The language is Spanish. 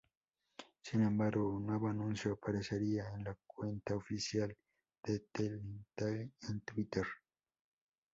Sin embargo, un nuevo anuncio aparecería en la cuenta oficial de Telltale en Twitter.